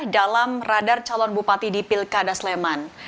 dalam radar calon bupati di pilkada sleman